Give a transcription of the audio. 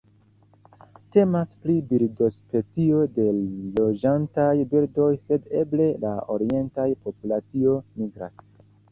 Temas pri birdospecio de loĝantaj birdoj, sed eble la orientaj populacioj migras.